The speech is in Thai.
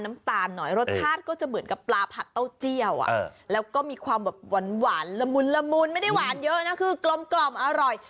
น้ำตาลหน่อยรสชาติก็จะเหมือนกับปลาผัดเต้าเจียวแล้วก็มีความแบบหวานละมุนละมุนไม่ได้หวานเยอะนะคือกลมอร่อย